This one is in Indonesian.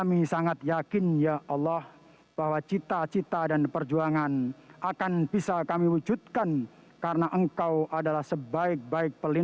besar olahraga nasional